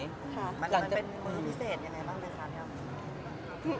มันเป็นมือพิเศษยังไงบ้างครับ